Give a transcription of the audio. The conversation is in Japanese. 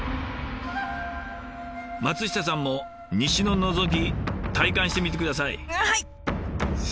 松下さんも「西の覗」体感してみて下さい。